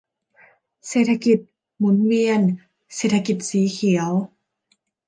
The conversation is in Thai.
เศรษฐกิจ หมุนเวียน เศรษฐกิจสีเขียว